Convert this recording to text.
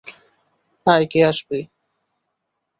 আয় কে আসবি!